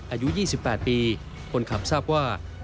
อายุ๒๘ปีคนขับทราบว่า